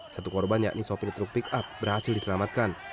satu korban yakni sopir truk pickup berhasil diselamatkan